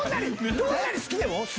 どんなに好きでも？